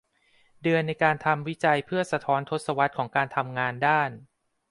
เดือนในการทำวิจัยเพื่อสะท้อนทศวรรษของการทำงานด้าน